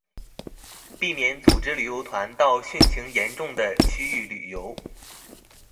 避免组织旅游团到汛情严重的区域旅游